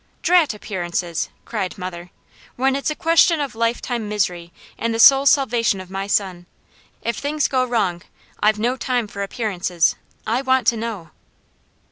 "Drat appearances!" cried mother. "When it's a question of lifetime misery, and the soul's salvation of my son, if things go wrong, I've no time for appearances. I want to know!"